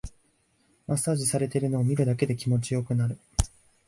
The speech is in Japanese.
マッサージされてるのを見るだけで気持ちよくなる